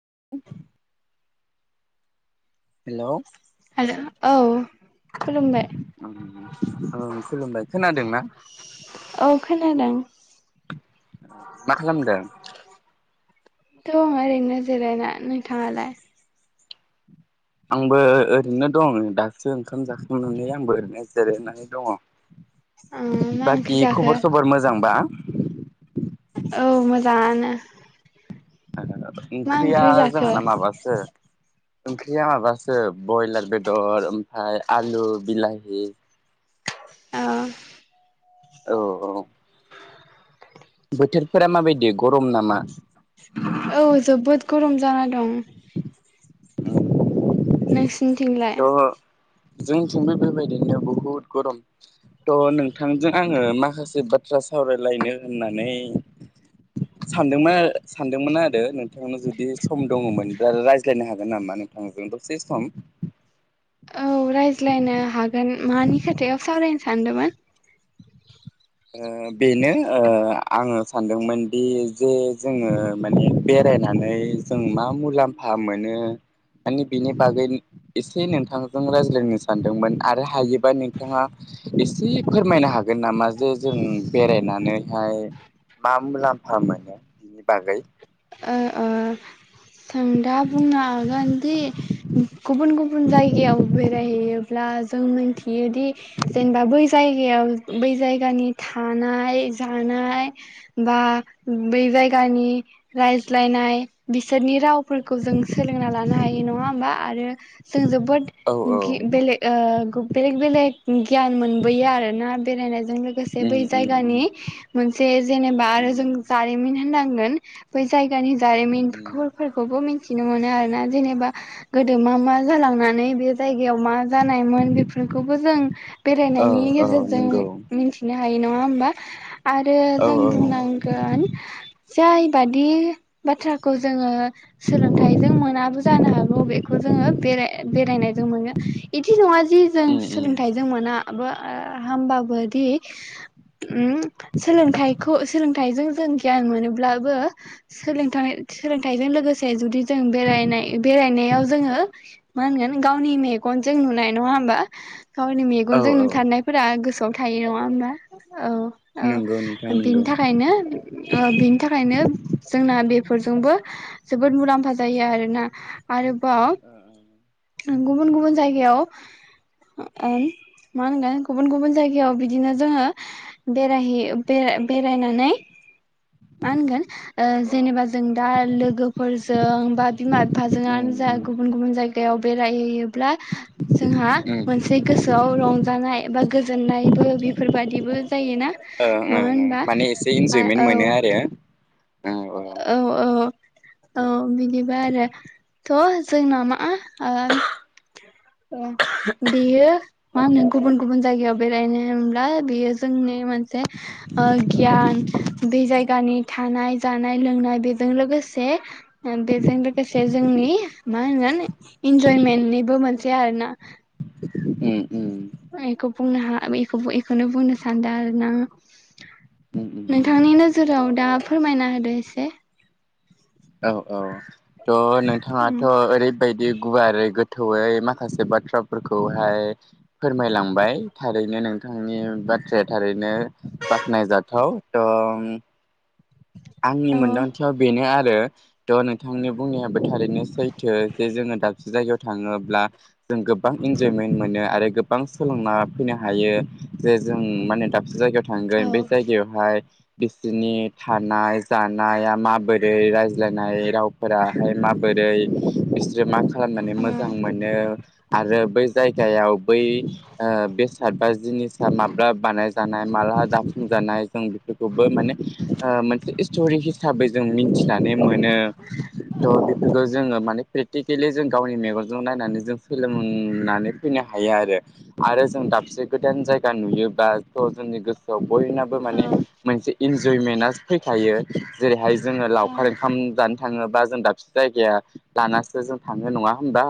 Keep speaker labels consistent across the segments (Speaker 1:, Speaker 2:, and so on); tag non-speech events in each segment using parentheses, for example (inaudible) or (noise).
Speaker 1: (unintelligible) Hello
Speaker 2: हेल औ। खुलुमबाय
Speaker 1: ओं खुलुमबाय खोनादोंना।
Speaker 2: औ खोनादों
Speaker 1: मा खालामदों।
Speaker 2: दं ओरैनो जिरायना नोंथाङालाय।
Speaker 1: आंबो ओ ओरैनो दं दासो ओंखाम जाखांनानै आंबो ओरैनो जिरायनानै
Speaker 2: ओ
Speaker 1: दङ।
Speaker 2: मा ओंख्रि
Speaker 1: बाखि
Speaker 2: जाखो
Speaker 1: खबर सबर मोजांबा?
Speaker 2: औ मोजाङानो। मा
Speaker 1: ओंख्रिया
Speaker 2: ओंख्रि जाखो
Speaker 1: जोंहाना माबासो ओंख्रिया माबासो बयलार बेदर ओमफाय आलु बिलाहि।
Speaker 2: ओ
Speaker 1: औ औ बोथोरफोरा माबायदि गरम नामा?
Speaker 2: औ जोबोद गरम जाना दं।
Speaker 1: (inaudible)
Speaker 2: नोंस थिंलाय।
Speaker 1: जोंथिबो बेबायदिनो बहुद गरम थ' नोंथांजों आङो माखासे बाथ्रा सावरायलायनो होननानै सानदोंमोन सानदोंमोन आरो नोंथांनो जुदि सम दङमोनब्ला रायज्लायनो हागोन नामा नोंथांजों दसे सम।
Speaker 2: औ रायज्लायनो हागोन मानि खोथायाव सावरायनो सानदोमोन।
Speaker 1: ओ बेनो आङो सानदोंमोन दि जे जोङो माने बेरायनानै जों मा मुलाम्फा मोनो माने बिनि बागै एसे नोंथांजों रायज्लायनो सानदोंमोन आरो हायोबा नोंथाङा एसे फोरमायनो हागोन नामा जे जों बेरायनानैहाय मा मुलाम्फा मोनो बिनि बागै।
Speaker 2: आं दा बुंनो हागोनदि गुबुन -गुबुन जायगायाव बेरायहैयोब्ला जों मोन्थि योदि जेनबा बै जाय (unintelligible) बै जायगानि थानाय जानाय बा बै जायगानि रायज्लायनाय बिसोरनि राव फोरखौ जों सोलोंना लानो हायो नङा होमबा आरो जों जोब बोद
Speaker 1: औ औ
Speaker 2: गि बेल ओ बेलेग- बेलेग गियान मोनबोयो आरोना बेरायनाय जों लोगोसे
Speaker 1: उम
Speaker 2: बै
Speaker 1: उम
Speaker 2: जायगानि मोनसे जेनेबा
Speaker 1: उम
Speaker 2: आरो जों जारिमिन हो होनांगोन ब जायगानि
Speaker 1: उम
Speaker 2: जारिमिन
Speaker 1: उम
Speaker 2: खर फोर खौ मिथिनो मोनो आरोना जेनेबा गोदो मा मा जालांनानै बेयो जायग जायगायाव मा जानायमोन बेफोरखौबो जों
Speaker 1: औ
Speaker 2: बेरायनायनि
Speaker 1: औ
Speaker 2: गेजेरजों
Speaker 1: नंगौ
Speaker 2: मिथिनो फाय नङा होमबा? आरो
Speaker 1: औ
Speaker 2: जों
Speaker 1: औ
Speaker 2: बुंनांगोन। जाय बादि बाथ्राखौ जोङो सोलोंथाइजों मोनाबो जानो हाग बेखौ जोङो बे बेरायनाय जों मोनो बिदि नङा जे जि जों
Speaker 1: उम उम
Speaker 2: सोलोंथाइजों मोना बोआ बो हामबाबोदि उम सोलोंथायखौ सोलों सोलोंथायजों गियान मोनोलब्लाबो सोलोंथ सोलोंथाय जों लोगोसे थाय जुदि जों बेरायनाय बेरायनायाव जोङो। मा होनगोन गावनि मेगनजों नुनाय नङा होमबा गावनि
Speaker 1: औ
Speaker 2: मेगनजों
Speaker 1: औ
Speaker 2: नुथारनायनायफोरा गोसो गाव थायो नङा होमबा। औ औ
Speaker 1: नंगौ नोंथां नंगौ
Speaker 2: बिनि थाखायनो ओ बिनि थाखायनो जोंना बे फोरजोंबो जोबोद मुलाम्फा जायो आरोना आरो बाव गुबुन गुबुन जायगायाव ओ मा होनगोन गुबुन गुबुन जायगायाव बिदिनो जोङो बेरायहैयो बेरायनानै मा होनगोन ओ
Speaker 1: औ औ
Speaker 2: जेनेबा जों दा लोगो जों बा बिमा
Speaker 1: उम
Speaker 2: बिफाजोंङानो जा
Speaker 1: उम
Speaker 2: गुबुन गुबुन जायगा बेयाव बेरायहैयो ब्ला जोंहा
Speaker 1: उम
Speaker 2: मोनसे गोसोआव रंजानाय बा गोजोननायबो बेफोरबादिबो जायोना
Speaker 1: ओं
Speaker 2: नङा
Speaker 1: ओं ओं
Speaker 2: होनबा
Speaker 1: माने एसे इन्जयमेन्ट
Speaker 2: औ
Speaker 1: मोनो आरो
Speaker 2: औ औ अ बि बिबा आरो थ जों नामा ओ ओ बेयो मानो गुबुन गुबन जायगायाव बेरायनो होमब्ला बेयो जोंनि मोनसे ओ गियान बे जायगानि थानाय जानाय लोंनाय बेजों लोगोसे बेजों लोगोसे जोंनि मा होनगोन इन्जयमेन्टनिबो मोन से आरो ना
Speaker 1: उम उम
Speaker 2: आं एखौ बुंनो हा बेखौबो इखौनो बुंनो सानदों आरो ना।
Speaker 1: उम उम उम
Speaker 2: नोंथांनि नोजोराव दा फोरमायना होदो एसे।
Speaker 1: औ औ थ'
Speaker 2: औ
Speaker 1: नोंथाङाथ' ओरैबायदि गुवारै गोथौयै मा माखासे बाथ्राफोरखौहाय फोरमायलांबाय थारैनो नों थांनि बाथ्राया थारैनो बाख्नायजाथाव। दं आंनि
Speaker 2: औ
Speaker 1: मोनदांथियाव बेनो आरो थ' नोंथांनि बुंनायाबो थारैनो सैथो जे जोङो दाबसे जायगायाव थाङोब्ला जों गोबां इन्जयमेन्ट मोनो आरो गोबां सोलोंना फैनो हायो जे जों माने दाबसे जायगायाव थांगोन
Speaker 2: औ
Speaker 1: बे जायगायावहाय बेसेनि था नाय जानाया माबोरै रायज्लायनाय रावफोराहाय माबोरै जे मा खालामनानै
Speaker 2: औ
Speaker 1: मोजां मोनो आरो बै जायगायाव बै ओ बेसाद बा जिनिसा माब्ला बानायजानाय माला दाफुंजानाय जों बेफोरखौ बो माने इसटरि हिसाबै जों मोनथिनानै मोनो थ बेफोरखौ जोङो माने गेलि जों गावनि मेगनजों नायनानै जों सोलोंनानै फैनो हायो आरो आरो जों दाबसे गोदान जायगा नुयोबा थ' जोंनि गोसोआव बयनाबो
Speaker 2: औ
Speaker 1: माने मोनसे (unintelligible) जयमेना फैखायो जेरैहाय जोङो लावखार ओंखाम जानो थाङोबा जों दाबसे जायगाया लानासो जों थाङो नङा होमबा?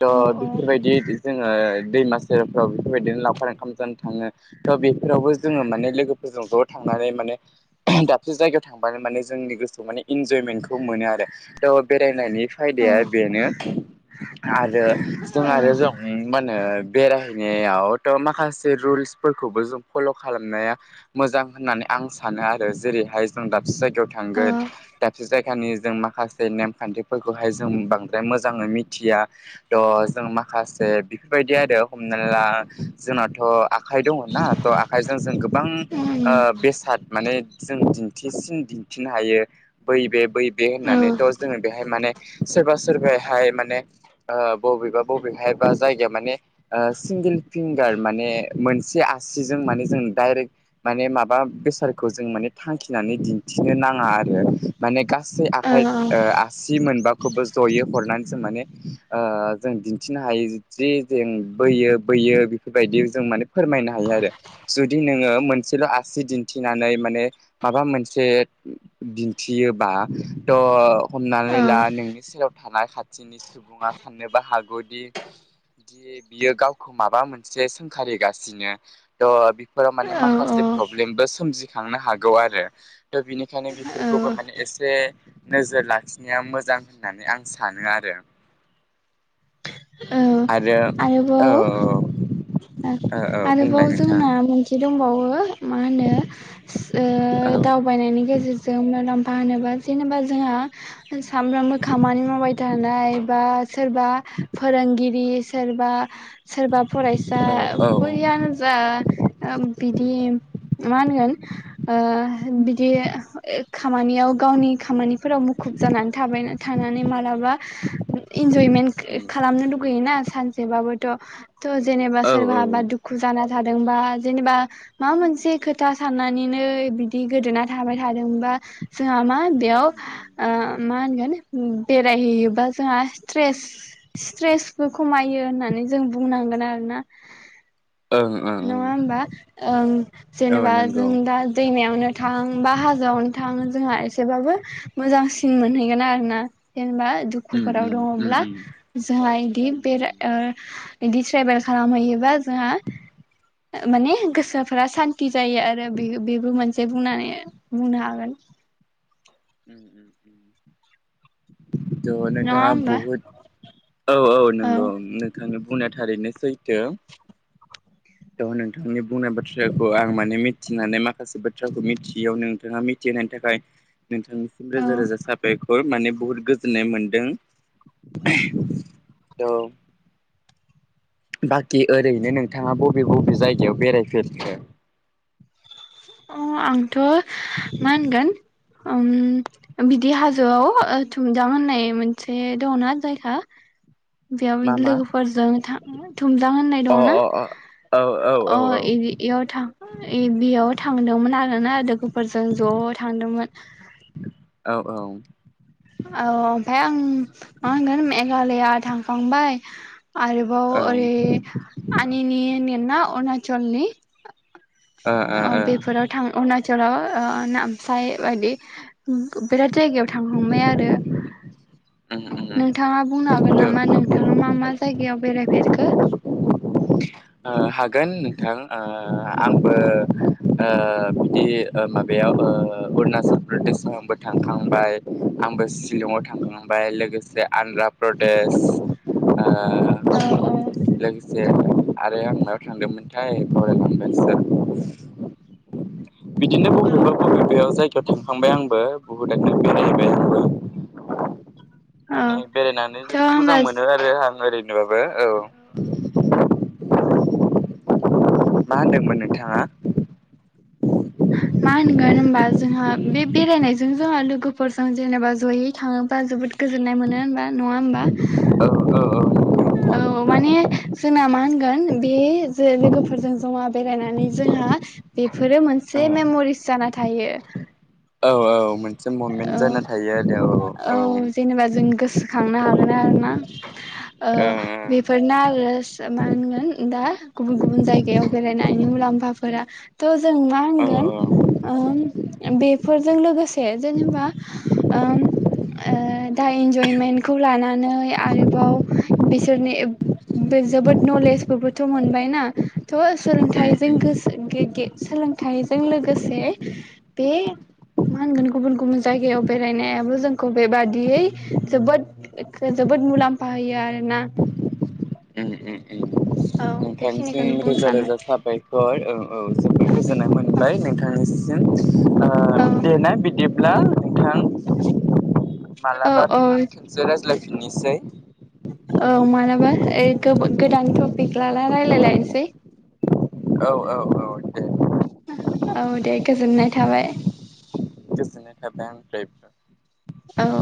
Speaker 1: द
Speaker 2: औ
Speaker 1: बेफोरबायदि जोङो दैमा सेरफ्राव बेफोरबायदिनो लावखार ओंखाम जानो थाङो थ' बेफोरावबो जोङो माने लोगोफोरजों ज' थांनानै माने दाबसे जायगायाव थांबानो माने जोंनि गोसोआव माने इन्जयमेन्टखौ मोनो आरो थ' बेरायनायनि फायदाया बेनो (unintelligible) ओ जों आरो जों मा होनो बेरायहैनायाव त माखासे रुल्सफोरखौबो जों फल खालामनाया मोजां होननानै आं सानो आ जेरैहाय जों दा से जायगायाव थांगोन दाबसे जायगायाव भानि जों माखासे नेमखान्थिफोरखौहाय जों बांद्राय मोजाङै मिथिया थह जों माखासे बेफोरबायदि आरो हमना ला जोंनाथ' आखाइ दङ ना थ आखाइजों जों गोबां
Speaker 2: औ
Speaker 1: ओ बेसाद माने जों दिन्थिसिन दिन्थिनो हायो बै बे बै बे
Speaker 2: औ औ
Speaker 1: होननानैथ जोङो बेहाय माने सोरबा सोरबायाहाय माने ओ बबेबा बबेहाय बा जायगाया माने ओ सिंगेल फिंक गार माने मोनसे आसिजों माने जों डायरेक्ट माने माबा बेसादखौ जों माने थांखिनानै दिन्थिनो नाङा आरो माने गा सै
Speaker 2: औ
Speaker 1: आखाइ आसि मोनबाखौबो जयै हरनानै जों माने ओ जों दिन्थिनो हायो जे जों बोयो बोयो बेफोरबायदि जों माने फोरमायनो हायो आरो जुदि नोङो मोनसेल' आसि दिन्थिनानै माने माबा मोनसे दिन्थियोबा थ'
Speaker 2: औ
Speaker 1: हमनानै ला नोंनि सेराव थानाय खाथि थिनि सुबुङा साननोबो हागौदि दि बियो गावखौ माबा मोनसे सोंखारिगासिनो थ' फोराव माने माखासे
Speaker 2: औ
Speaker 1: प्रब्लेमबो सोमजि थांनो हागोन गौ आरो थ बिनिखायनो
Speaker 2: औ
Speaker 1: बेफोरखौबो माने एसे नोजोर लाखिनाया मोजां होननानै आं सानो आरो।
Speaker 2: औ
Speaker 1: आरो औ
Speaker 2: आरोबाव
Speaker 1: औ औ
Speaker 2: आरोबाव
Speaker 1: बुंलाय नोंथां
Speaker 2: जोंना मोनसे दंबावो वो मा होनो ओ
Speaker 1: औ
Speaker 2: दावबायनायनि गेजेरजों मुलाम्फा मा होनोबा जेनेबा जोंहा सामफ्रामबो खामानि मावबाय थानाय बा सोरबा फोरोंगिरि सोरबा सोरबा फरायसा
Speaker 1: औ औ
Speaker 2: बैयानो जा ओ बिदि मा होनगोन ओ बिदि ए खामानियाव गावनि खामानिफोराव मुखुब जानानै थाबाय थानानै मान लाबा इनजयमेन्ट खालामनो लुगैयोना सानसेबाबोथ' थ' जेनेबा सोरबाबा
Speaker 1: ओं
Speaker 2: दुखु जाना थादोंबा जेनेबा माबा मोनसे खोथा साननानैनो बिदि गोदोना थाबाय थादोंबा जोंहा मा बेयाव ओ मा होनो बेरायहैयोबा जोंहा स्ट्रेस स्ट्रेसबो खमायो होननानै जों बुंनांगोन आरो ना ।
Speaker 1: ओं
Speaker 2: नङा
Speaker 1: ओं
Speaker 2: होमबा ओं
Speaker 1: औ
Speaker 2: जेनेबा जों
Speaker 1: नंगौ
Speaker 2: दा दैमायावनो थां बा हाजोआवनो थाङो जोंहा एसेबाबो मोजांसिन मोनहैगोन आरो ना जेनेबा
Speaker 1: उम
Speaker 2: दुखुफोराव
Speaker 1: उम उम
Speaker 2: दङब्ला
Speaker 1: उम
Speaker 2: जाहा इदि
Speaker 1: उम
Speaker 2: बेरा ओ बिदि ट्रेभेल खालामहैयोबा जोंहा माने गोसोफोरा सान्ति जायो आरो बे-बेबो मोनसे बुंनानै बुंनो हागोन।
Speaker 1: उम उम उम थ'
Speaker 2: नङा
Speaker 1: नोंथाङा
Speaker 2: होमबा
Speaker 1: बहुद औ औ नंगौ नोंथां, बुंनाया थारैनो सैथो, त नोंथांनि बुंनाय बाथ्राखौ आं माने मिथिनानै माखासे बाथ्राखौ मिथियैयाव नोंथाङा मिथिहोनायनि थाखाय नोंथांनिसिम रोजा
Speaker 2: औ
Speaker 1: रोजा साबायखर माने बुहुद गोजोननाय मोनदों। त बाखि ओरैनो नोंथाङा बबे बबे जायगायाव बेरायफेरखो?
Speaker 2: अ आंथ' मानगोन उम बिदि हाजोआव थुमदाम होननाय मोनसे दङना जायगा बेयाव
Speaker 1: मा मा
Speaker 2: लोगोफोरजों था थुमजां होननाय
Speaker 1: अ
Speaker 2: दङना
Speaker 1: अ अ औ औ औ
Speaker 2: अ
Speaker 1: औ औ
Speaker 2: इबि इयाव था इ बेयाव थांदोंमोन आरोना लोगोफोरजों ज' थांदोंमोन ।
Speaker 1: औ औ।
Speaker 2: औ ओमफाय आं मा होनगोन मेघालया थांखांबाय, आरोबाव ओरै आनिनि ना अरुणाचलनि ओ बेफोराव थां अरुना चलाव अ नामसाय बायदि बिराद जायगायाव थांहांबाय आरो
Speaker 1: उम
Speaker 2: नोंथाङा बुंनो हागोन
Speaker 1: उम
Speaker 2: नामा नोंथाङा मा मा जायगायाव बेरायफेरखो।
Speaker 1: ओ हागोन नोंथां आ आंबो ओ बिदि माबायाव ओ अरुणाचल प्रदेशआव आंबो थांखांबाय आंबो शिलंआव थांखांबाय लोगोसे आन्ध्रा प्रदेश, आ
Speaker 2: औ औ
Speaker 1: लोगोसे दे। आरो आं मायाव थांदोंमोनथाय बावलाय लांबायसो। बिदिनो
Speaker 2: औ
Speaker 1: बबेबा बबेबायाव जायो थांखांबाय आंबो बुहुदनो बेरायहैबाय आंबो, माने बेरायनानै
Speaker 2: थ'
Speaker 1: जोबोद मोजां
Speaker 2: होमबा
Speaker 1: मोनो
Speaker 2: औ
Speaker 1: आरो आं ओरै औ। मा होनदोंमोन नोंथाङा?
Speaker 2: मा होनगोन होमबा जोंहा बे बेरायनायजों जोंहा लोगोफोरजों जेनेबा जयै थाङोबा जोबोद, गोजोन्नाय मोनो होनबा नङा होमबा,
Speaker 1: औ औ औ नंगौ
Speaker 2: औ माने जोंना मा होनगोन बे जे लोगोफोरजों जमा बेरायनानै जोंहा बे फोरो
Speaker 1: नोंथां
Speaker 2: मोनसे
Speaker 1: औ
Speaker 2: मेम'रिस जाना थायो
Speaker 1: औ औ मोन जों मुभमेन्ट
Speaker 2: औ
Speaker 1: जाना थायो आरो
Speaker 2: औ जेनेबा जों गोसोखांनो हागोन आरो ना ओ
Speaker 1: औ
Speaker 2: बेफोरनो आरो मा होनगोन दा गुबुन गुबुन जायगायाव बेरायनायनि मुलाम्फाफोरा थ जों मा
Speaker 1: औ
Speaker 2: होनगोन ओं बेफोरजों लोगोसे जेनेबा ओम ओ दा इन्जयमेन्टखौ लानानै आरोबाव बिसोरनि एब जोबोद नलेजबोबोथ' मोनबायना थ' सोलोंथाइजोंसो गोसो गे-गे सोलोंथाइजों लोगोसे बे मा होनगोन गुबुन गुबुन जायगायाव बेरायनायाबो जोंखौ बेबादियै जोबोद खो- जोबोद मुलाम्फा होयो आरोना। औ
Speaker 1: नोंथांसिम
Speaker 2: बेखिनिखौनो बुंनो
Speaker 1: रोजा
Speaker 2: सानो
Speaker 1: रोजा साबायखर ओ औ जोबोद गोजोननाय मोनबाय नोंथांनिसि जों ओ
Speaker 2: औ
Speaker 1: दे ना बिदि ब्ला नोंथां।
Speaker 2: औ
Speaker 1: मालाबा
Speaker 2: औ
Speaker 1: फिन खिनसे रायज्लायफिननोसै
Speaker 2: औ मालाबा ओइ गोब गोदान टपिक लाला रायलायलायनोसै
Speaker 1: औ औ औ दे
Speaker 2: औ दे गोजोननाय थाबाय
Speaker 1: जायफ्रा
Speaker 2: औ